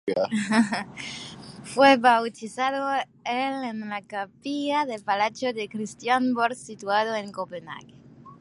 Fue bautizado el en la capilla del palacio de Christiansborg, situado en Copenhague.